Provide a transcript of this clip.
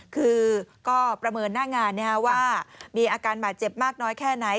คือก็ประเมินหน้างานว่ามีอาการบาดเจ็บมากน้อยแค่ไหน